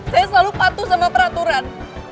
saya selalu patuh sama peraturan